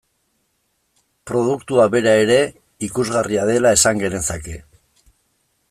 Produktua bera ere ikusgarria dela esan genezake.